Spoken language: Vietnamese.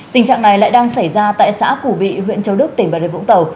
tình trạng này lại đang xảy ra tại xã củ bị huyện châu đức tỉnh bà rê vũng tàu